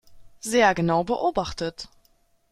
Sehr genau beobachtet.